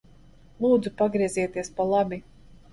Lūdzu pagriezieties pa labi.